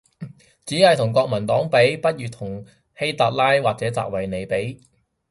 只係同國民黨比？，不如同希特拉或者習維尼比